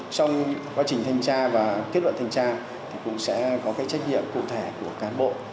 trong quá trình thanh tra và kết luận thanh tra thì cũng sẽ có cái trách nhiệm cụ thể của cán bộ